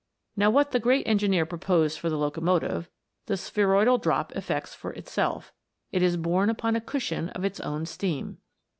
Now what the great engineer proposed for the locomotive, the spheroidal drop effects for itself it is borne upon a cushion of its own steam.